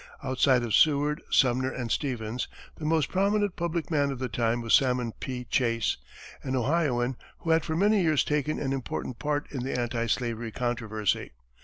Outside of Seward, Sumner and Stevens, the most prominent public man of the time was Salmon P. Chase, an Ohioan who had for many years taken an important part in the anti slavery controversy.